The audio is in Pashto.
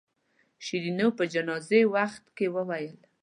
شیرینو په جنازې وخت کې وویل.